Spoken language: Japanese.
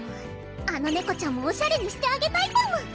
あの猫ちゃんもオシャレにしてあげたいパム！